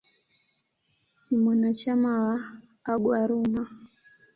Ni mwanachama wa "Aguaruna".